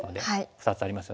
２つありますよね。